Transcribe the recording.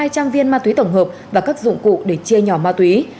những tổng hợp và các dụng cụ để chê nhỏ ma túy